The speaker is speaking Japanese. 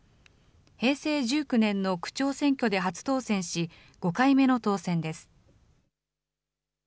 平成１９年の区長選挙で初当選し、５回目の当選です。